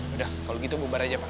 udah kalau gitu bubar aja pak